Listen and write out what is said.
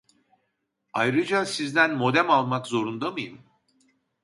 Ayrıca sizden modem almak zorunda mıyım?